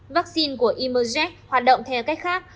vaccine của e merserach hoạt động theo cách khác